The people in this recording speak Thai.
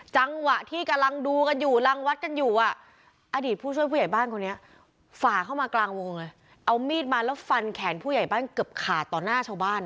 จังหวะที่กำลังดูกันอยู่รังวัดกันอยู่อดีตผู้ช่วยผู้ใหญ่บ้านคนนี้ฝ่าเข้ามากลางวงเลยเอามีดมาแล้วฟันแขนผู้ใหญ่บ้านเกือบขาดต่อหน้าชาวบ้าน